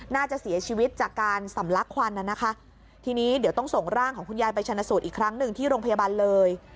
น่าจะเสียชีวิตจากการสำลักควันน่ะนะคะทีนี้เดี๋ยวต้องส่งร่างของคุณยายไปชนะสูตรอีกครั้งหนึ่งที่โรงพยาบาลเลย